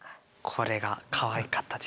これがかわいかったですね。